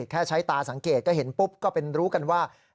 แค่ใช้ตาสังเกตก็เห็นปุ๊บก็เป็นรู้กันว่า